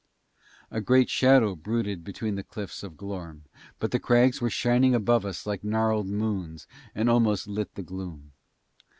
A great shadow brooded between the cliffs of Glorm, but the crags were shining above us like gnarled moons, and almost lit the gloom.